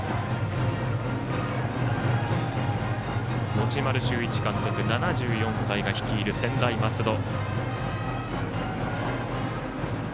持丸修一監督、７４歳が率いる専大松戸。